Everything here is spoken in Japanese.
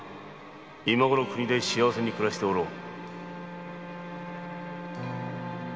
今ごろは故郷で幸せに暮らしておろう